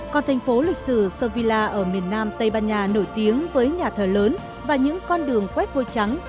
còn thành phố lịch sử survila ở miền nam tây ban nha nổi tiếng với nhà thờ lớn và những con đường quét vôi trắng